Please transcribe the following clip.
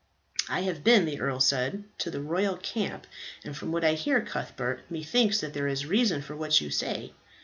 "I have been," the earl said, "to the royal camp, and from what I hear, Cuthbert, methinks that there is reason for what you say.